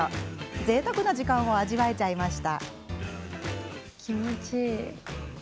ぜいたくな時間を味わえちゃいました。